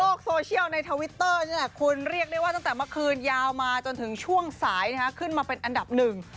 โซเชียลในทวิตเตอร์นี่แหละคุณเรียกได้ว่าตั้งแต่เมื่อคืนยาวมาจนถึงช่วงสายขึ้นมาเป็นอันดับหนึ่ง